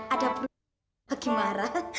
ada perutnya lagi marah